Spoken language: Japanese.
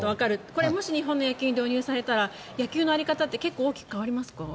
これもし日本の野球に導入されたら野球の在り方って結構大きく変わりますか？